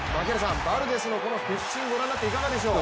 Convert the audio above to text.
バルデスのこのピッチングご覧になっていかがでしょう？